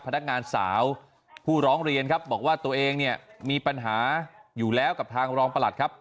พนักงานสาวผู้ร้องเรียนครับบอกว่าตัวเองเนี่ยมีปัญหาอยู่แล้วกับทางรองประหลัดครับ